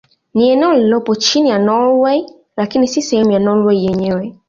Ni eneo lililopo chini ya Norwei lakini si sehemu ya Norwei yenyewe.